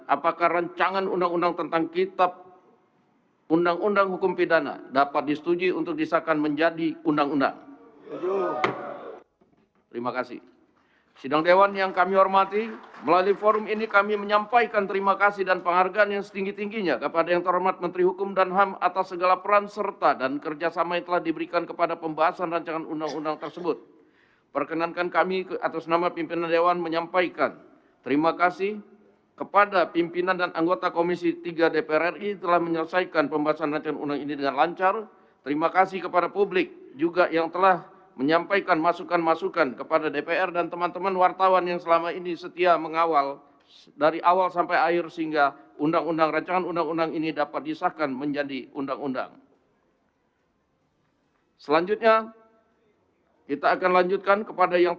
apakah rancangan undang undang tentang kitab undang undang hukum pidana dapat disetujui untuk disahkan menjadi undang undang